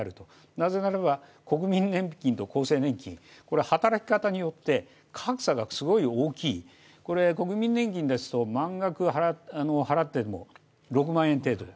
なぜならば、国民年金と厚生年金、働き方によって格差がすごい大きい国民年金ですと満額払っても６万円程度。